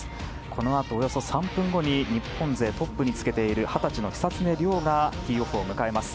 このあとおよそ３分後に日本勢トップにつけている二十歳の久常涼がティーオフを迎えます。